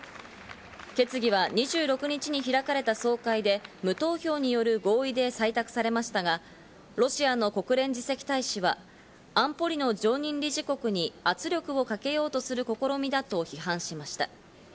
決議は２６日に開かれた総会で無投票による合意で採択されましたが、ロシアの国連次席大使は、安保理の常任理事国に圧力をかけようとする試みだと批判しました。